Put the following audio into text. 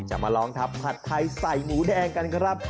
มาลองทำผัดไทยใส่หมูแดงกันครับ